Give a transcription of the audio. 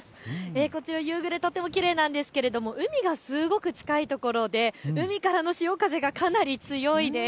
こちら夕暮れ、とてもきれいですが海がすごく近いところで海からの潮風がかなり強いです。